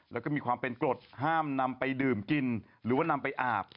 แล้วก็มีความเป็นกรดห้ามนำไปดื่มกินหรือว่านำไปอาบ